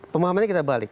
pemahaman kita balik